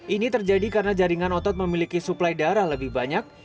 ini terjadi karena jaringan otot memiliki suplai darah lebih banyak